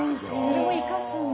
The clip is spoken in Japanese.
それを生かすんだ。